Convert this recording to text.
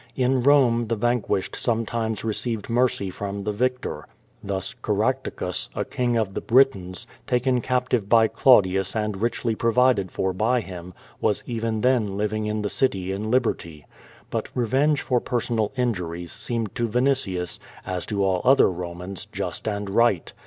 In Borne the vanquished sometimes received mercy from the victor. Thus, Caractacus, a king of the Britons, taken captive by Claudius and richly provided for by him, was even then living in the city in liberty. But revenge for personal injuries seemed to Vinitius, as to all other Romans, just and right.